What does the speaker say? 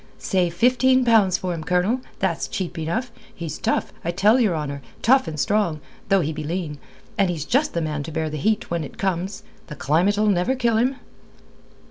Say fifteen pounds for him, Colonel. That's cheap enough. He's tough, I tell your honour tough and strong, though he be lean. And he's just the man to bear the heat when it comes. The climate'll never kill him."